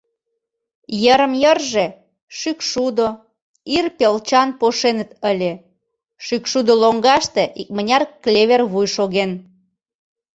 Йырым-йырже шӱкшудо, ирпелчан пошеныт ыле, шӱкшудо лоҥгаште икмыняр клевер вуй шоген.